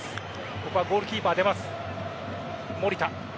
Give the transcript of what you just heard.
ここはゴールキーパー出ます。